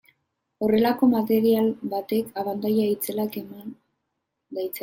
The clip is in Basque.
Horrelako material batek abantaila itzelak eskain ditzake.